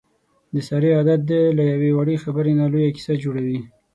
د سارې عادت دی له یوې وړې خبرې نه لویه کیسه جوړوي.